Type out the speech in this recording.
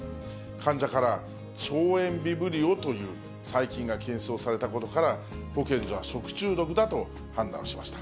患者から腸炎ビブリオという細菌が検出されたことから、保健所は食中毒だと判断しました。